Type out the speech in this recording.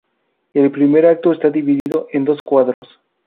El primer acto está dividido en dos cuadros.